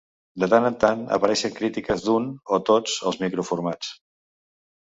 De tant en tant, apareixen crítiques d'un, o tots, els microformats.